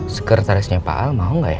sekretarisnya pak al mau nggak ya